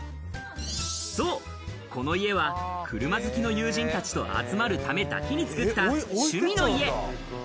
そう、この家は車好きの友人たちと集まるためだけに作った趣味の家。